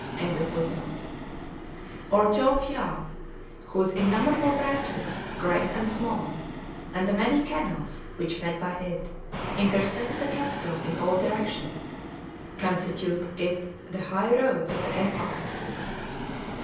] or Chow Phya, whose innumerable branches, great and small, and the many canals which, fed by it, intersect the capital in all directions, constitute it the high road of the Empire.